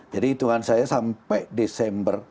jadi hitungan saya sampai desember